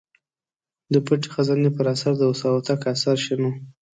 د پټې خزانې پر اثر د استاد هوتک اثر شنو.